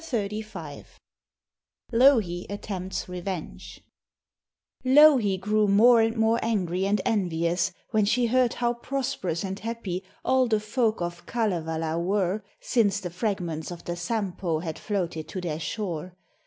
LOUHI ATTEMPTS REVENGE Louhi grew more and more angry and envious when she heard how prosperous and happy all the folk of Kalevala were, since the fragments of the Sampo had floated to their shore.